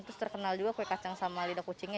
terus terkenal juga kue kacang sama lidah kucingnya